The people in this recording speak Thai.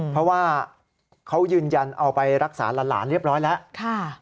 เพราะว่าเขายืนยันเอาไปรักษาหลานเรียบร้อยแล้ว